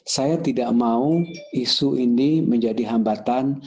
saya tidak mau isu ini menjadi hambatan